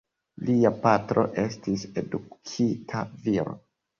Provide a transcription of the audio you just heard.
Lia patro estis edukita viro.